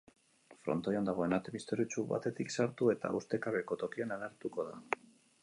Frontoian dagoen ate misteriotsu batetik sartu eta ustekabeko tokian agertuko da.